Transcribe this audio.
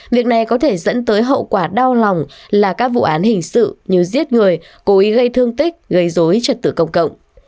việc này có thể dẫn tới hậu quả đau lòng là các vụ án hình sự như giết người cố ý gây thương tích gây dối trật tự công cộng